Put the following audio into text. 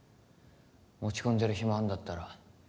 落ち込んでる暇あんだったら